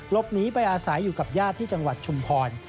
หลบหนีไปอาศัยอยู่กับญาติที่จังหวัดชุมพร